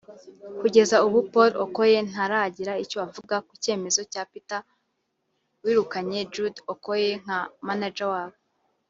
Kugeza ubu Paul Okoye ntaragira icyo avuga ku cyemezo cya Peter wirukanye Jude Okoye nka manager wabo